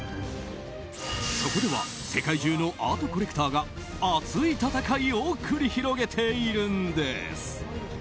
そこでは世界中のアートコレクターが熱い闘いを繰り広げているんです。